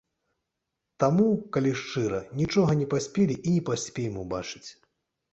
Таму, калі шчыра, нічога не паспелі і не паспеем убачыць.